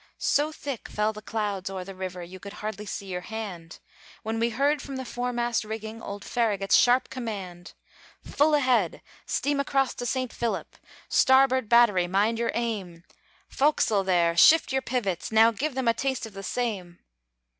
So thick fell the clouds o'er the river, You hardly could see your hand; When we heard, from the foremast rigging, Old Farragut's sharp command: "Full ahead! Steam across to Saint Philip! Starboard battery, mind your aim! Forecastle there, shift your pivots! Now, Give them a taste of the same!"